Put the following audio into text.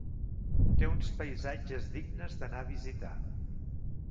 Té uns paisatges dignes d'anar a visitar.